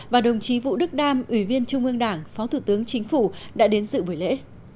và đồng chí vũ đức đam ủy viên trung ương đảng phó thủ tướng chính phủ đã đến dự buổi lễ